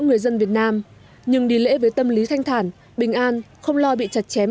người dân việt nam nhưng đi lễ với tâm lý thanh thản bình an không lo bị chặt chém